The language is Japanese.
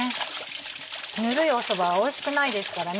ぬるいそばはおいしくないですからね。